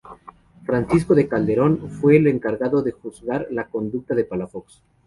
Francisco Calderón fue el encargado de juzgar la conducta de Palafox.